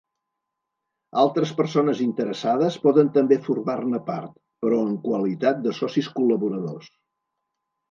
Altres persones interessades poden també formar-ne part, però en qualitat de socis col·laboradors.